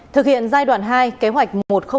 thực hiện giai đoạn hai kế hoạch một